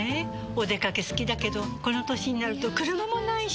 お出かけ好きだけどこの歳になると車もないし。